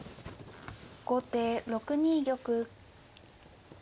後手６二玉。